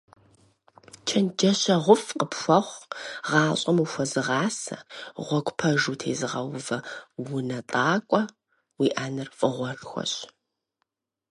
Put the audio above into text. ЧэнджэщэгъуфӀ къыпхуэхъу, гъащӀэм ухуэзыгъасэ, гъуэгу пэж утезыгъэувэ унэтӀакӀуэ уиӀэныр фӀыгъуэшхуэщ.